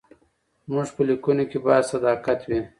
زموږ په لیکنو کې باید صداقت وي.